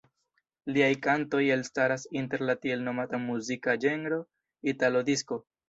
Liaj kantoj elstaras inter la tiel nomata muzika ĝenro italo-disko.